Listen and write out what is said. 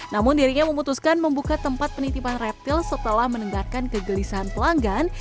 namun dirinya memutuskan membuka tempat penitipan reptil setelah mendengarkan kegelisahan pelanggan